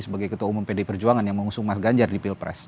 sebagai ketua umum pd perjuangan yang mengusung mas ganjar di pilpres